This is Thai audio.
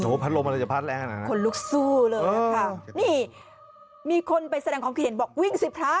พัดลมอะไรจะพัดแรงนะคนลุกสู้เลยนะคะนี่มีคนไปแสดงความคิดเห็นบอกวิ่งสิพระ